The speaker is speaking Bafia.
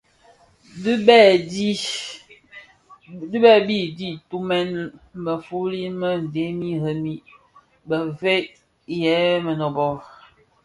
Bi dèm bi dhi tumèn bë fuufuli bë dhemi remi bëfëëg yè mënōbō.